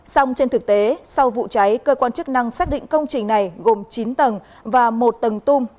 xong trên thực tế sau vụ cháy cơ quan chức năng xác định công trình này gồm chín tầng và một tầng tung